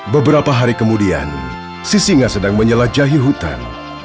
beberapa hari kemudian sisinga sedang menjelajahi hutan